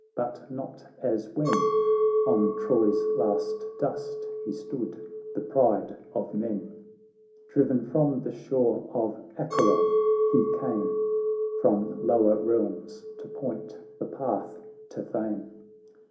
But not as when On Troy's last dust he stood, the pride of men ; Driven from the shore of Acheron he came From lower realms to point the path to fame.